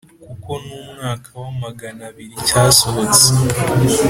kuko ni mu mwaka wa magana abiri cyasohotse